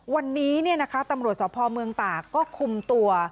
วันนี้ตำรวจสพเมืองตากก็คุมตัว